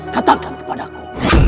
katakan kepada aku